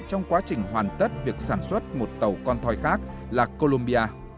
trong quá trình hoàn tất việc sản xuất một tàu con thoi khác là colombia